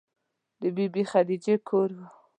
د بې بي خدیجې کور و.